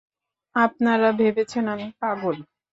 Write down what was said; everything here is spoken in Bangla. আপনার ভেবেছেন আমি পাগল।